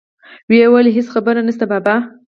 ويې ويل هېڅ خبره نشته بابا.